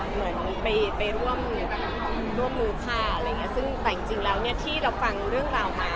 เหมือนไปร่วมมือค่าซึ่งแต่จริงแล้วที่เราฟังเรื่องราวหา